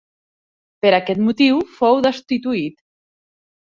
Per aquest motiu fou destituït.